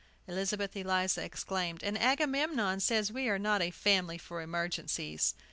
Elizabeth Eliza exclaimed: "And Agamemnon says we are not a family for emergencies!"